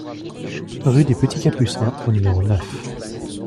Rue des Petits Capucins au numéro neuf